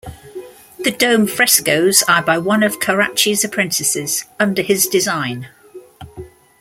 The dome frescoes are by one of Carracci's apprentices, under his design.